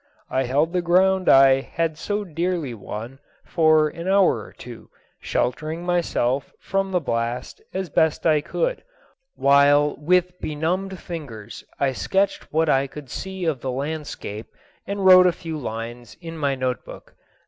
I held the ground I had so dearly won for an hour or two, sheltering myself from the blast as best I could, while with benumbed fingers I sketched what I could see of the landscape, and wrote a few lines in my notebook.